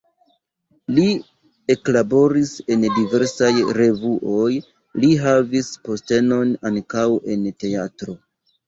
Li eklaboris en diversaj revuoj, li havis postenon ankaŭ en teatro.